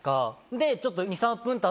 でちょっと。